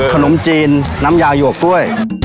ขนมจีนน้ำยาหยวกกล้วย